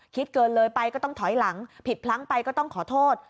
เกินเลยไปก็ต้องถอยหลังผิดพลั้งไปก็ต้องขอโทษ